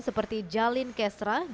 seperti jalin kesra jalan lain menuju